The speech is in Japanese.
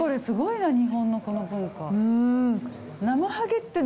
すごいな日本のこの文化。